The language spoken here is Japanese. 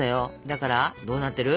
だからどうなってる？